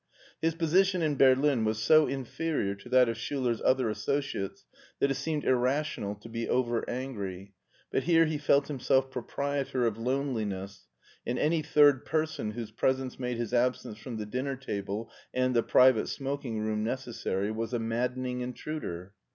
His position in Berlin was so inferior to that of Schiller's other associates that it seemed irrational to be over angry, but here he felt himself proprietor of loneliness, and any third person whose presence made his absence from the dinner table and the private smoking room necessary was a maddening intruder.